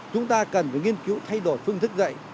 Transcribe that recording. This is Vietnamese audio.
chúng ta cần phải nghiên cứu thay đổi phương thức dạy